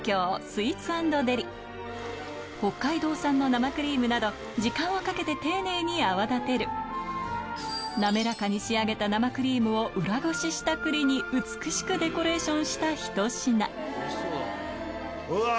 北海道産の生クリームなど時間をかけて丁寧に泡立てる滑らかに仕上げた生クリームを裏ごしした栗に美しくデコレーションしたひと品うわぁ！